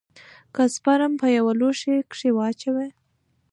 که سپرم په يوه لوښي کښې واچوې.